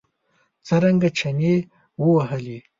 څرنګه چنې ووهلې.